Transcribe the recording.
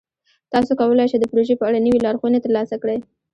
تاسو کولی شئ د پروژې په اړه نوې لارښوونې ترلاسه کړئ.